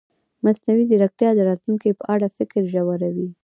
مصنوعي ځیرکتیا د راتلونکي په اړه فکر ژوروي.